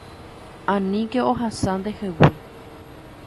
Aníke ohasa ndehegui.